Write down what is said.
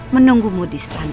menunggumu di setan